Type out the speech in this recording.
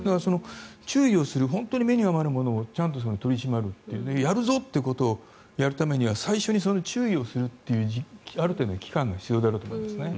注意をする本当に目に余るものをちゃんと取り締まるというやるぞっていうことをやるためには最初に注意をするっていうある程度の期間が必要だと思いますね。